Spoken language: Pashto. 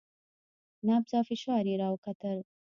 نبض او فشار يې راوکتل.